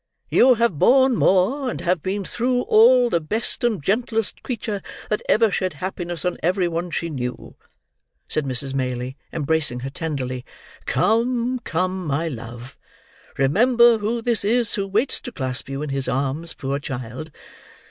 "You have borne more, and have been, through all, the best and gentlest creature that ever shed happiness on every one she knew," said Mrs. Maylie, embracing her tenderly. "Come, come, my love, remember who this is who waits to clasp you in his arms, poor child!